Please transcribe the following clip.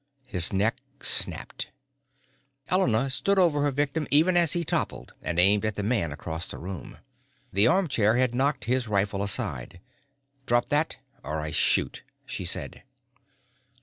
His neck snapped. Elena stood over her victim even as he toppled and aimed at the man across the room. The armchair had knocked his rifle aside. "Drop that or I shoot," she said.